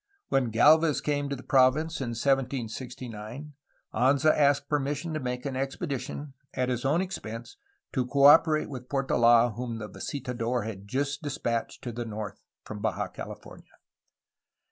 When Galvez came to the ^ province in 1769 Anza asked permission to make an expedi | tion, at his own expense, to cooperate with PortoM, whom the visitador had just despatched to the north from Baja California.